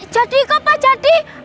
jadi kok pak jadi